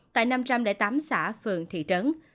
tại năm trăm linh tám xã phường thị trấn